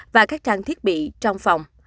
và các trang thiết bị trong phòng